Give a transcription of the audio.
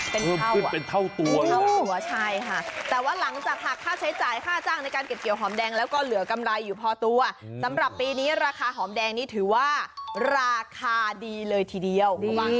เป็นเพิ่มขึ้นเป็นเท่าตัวเลยเท่าตัวใช่ค่ะแต่ว่าหลังจากหักค่าใช้จ่ายค่าจ้างในการเก็บเกี่ยวหอมแดงแล้วก็เหลือกำไรอยู่พอตัวสำหรับปีนี้ราคาหอมแดงนี้ถือว่าราคาดีเลยทีเดียว